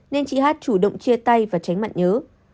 nên chị hát chủ động chia tay và tránh mặn nhớ